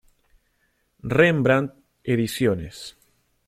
Rembrandt Ediciones.